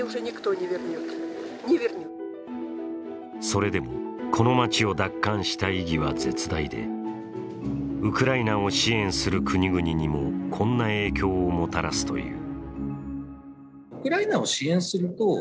それでも、この街を奪還した意義は絶大で、ウクライナを支援する国々にもこんな影響をもたらすという。